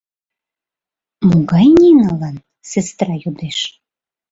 — Могай Ниналан? — сестра йодеш.